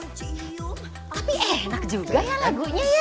ciyu tapi enak juga ya lagunya ya